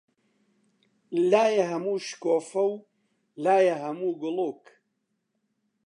لایێ هەموو شکۆفە و، لایی هەموو گوڵووک